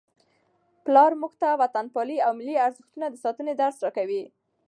پلار موږ ته د وطنپالنې او ملي ارزښتونو د ساتنې درس راکوي.